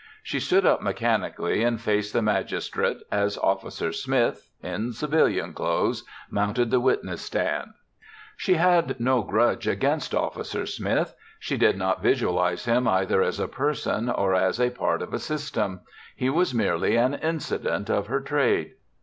She stood up mechanically and faced the magistrate as Officer Smith, in civilian clothes, mounted the witness stand. She had no grudge against Officer Smith. She did not visualize him either as a person or as a part of a system. He was merely an incident of her trade.